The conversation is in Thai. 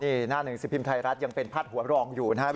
นี่หน้าหนึ่งสิบพิมพ์ไทยรัฐยังเป็นพาดหัวรองอยู่นะครับ